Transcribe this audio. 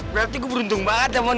berarti gue beruntung banget mon